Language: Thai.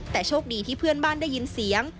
แต่โชคดีที่เพื่อนบ้านได้ยินเสียง